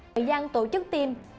ngoại gian tổ chức tiêm